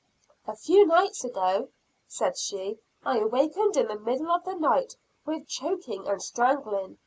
"A few nights ago," said she, "I awakened in the middle of the night with choking and strangling.